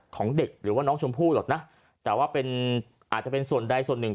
ของเด็กหรือว่าน้องชมพู่หรอกนะแต่ว่าเป็นอาจจะเป็นส่วนใดส่วนหนึ่ง